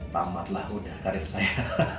tamatlah udah karir saya